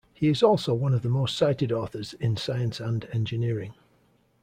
He is also one of the most cited authors in science and engineering.